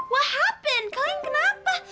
what happen kalian kenapa